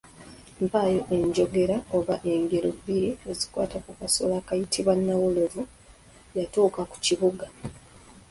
Mpaayo enjogera oba engero bbiri ezikwata ku kasolo akayitibwa nawolovu yatuuka ku kibuga.